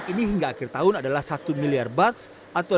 pembangunan durian ekspor